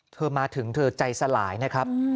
มาถึงเธอใจสลายนะครับ